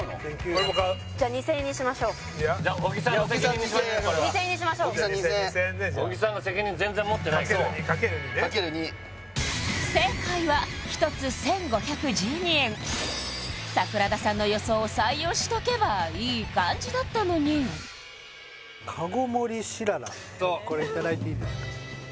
俺も買うじゃ２０００円にしましょうじゃ小木さんの責任にしましょうこれは２０００円にしましょう小木さん２０００円小木さんが責任全然持ってないから掛ける２掛ける２ね正解は１つ１５１２円桜田さんの予想を採用しとけばいい感じだったのにこれいただいていいですか？